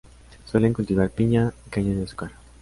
Suelen cultivar piña y caña de azúcar.